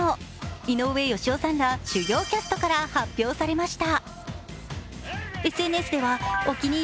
井上芳雄さんら主要キャストから発表されました。